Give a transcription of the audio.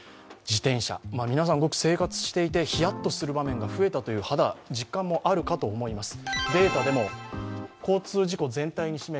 自転車、皆さん生活していて、ヒヤッとした場面が増えたという実感もあるかと思います。